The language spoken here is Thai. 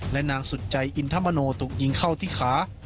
และนางสุดใจอินทมโนถูกยิงเข้าที่ขา